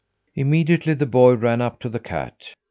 Immediately the boy ran up to the cat.